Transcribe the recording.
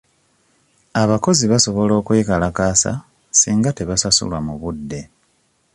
Abakozi basobola okwekalakaasa singa tebasasulwa mu budde.